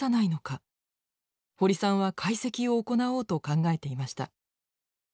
堀さんは解析を行おうと考えていました。